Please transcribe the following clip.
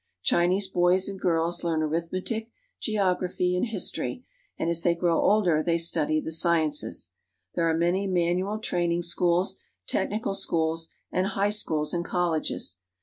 Chinese boys and girls learn arithmetic, geography, and history, and as they grow older they study the sciences. There are many manual training schools, technical schools, and high schools and colleges.